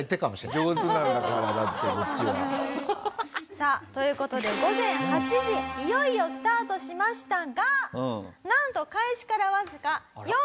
さあという事で午前８時いよいよスタートしましたがなんと開始からわずか４分後。